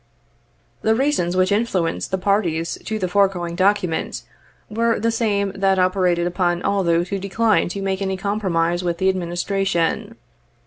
The reasons which influenced the parties to the foregoing document were the same that operated upon all those who declined to make any compromise with the Admin istration.